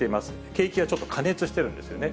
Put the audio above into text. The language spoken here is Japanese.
景気がちょっと過熱してるんですよね。